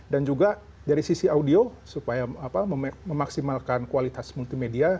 dan juga dari sisi audio supaya memaksimalkan kualitas multimedia